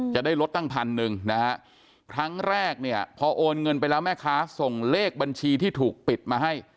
จะได้ลดตั้งพันหนึ่งนะฮะครั้งแรกเนี่ยพอโอนเงินไปแล้วแม่ค้าส่งเลขบัญชีที่ถูกปิดมาให้